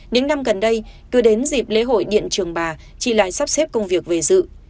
những năm gần đây cứ đến dịp lễ hội điện trường bà chị lại sắp xếp công việc về dự